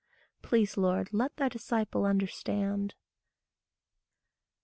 Please, Lord, let thy disciple understand.